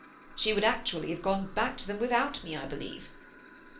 She would actually have gone back to them without me, I believe.